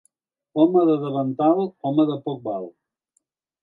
Home de davantal, home que poc val.